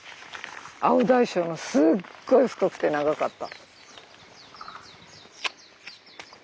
青大将もすっごい太くて長かった。